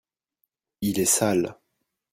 il est sale.